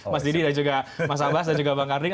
mas didi dan juga mas abbas dan juga bang karning